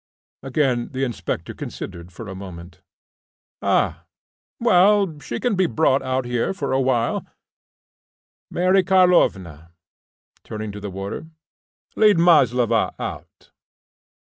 Again the inspector considered for a moment. "Ah, well, she can be brought out here for awhile. Mary Karlovna," turning to the warder, "lead Maslova out."